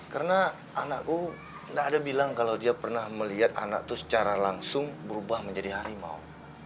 karena anakku tidak pernah melihat anak itu secara langsung berubah menjadi harimau